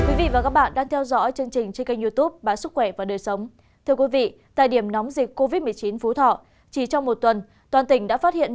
các bạn hãy đăng ký kênh để ủng hộ kênh của chúng mình nhé